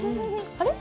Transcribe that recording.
あれ？